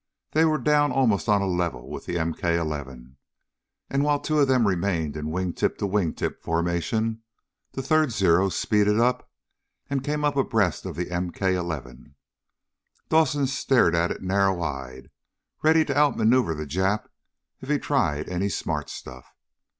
They were down almost on a level with the MK 11, and while two of them remained in wingtip to wingtip formation, the third Zero speeded up and came up abreast of the MK 11. Dawson stared at it narrow eyed, ready to out maneuver the Jap if he tried any smart stuff.